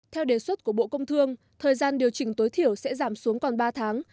theo đề xuất của bộ công thương thời gian điều chỉnh tối thiểu sẽ giảm xuống còn ba tháng